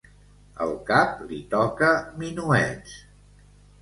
El cap li toca minuets.